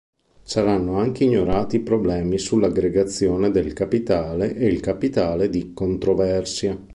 Saranno anche ignorati i problemi sull'aggregazione del capitale e il capitale di controversia.